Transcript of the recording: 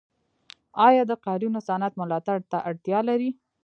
آیا د قالینو صنعت ملاتړ ته اړتیا لري؟